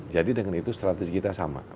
jadi dengan itu strategi kita sama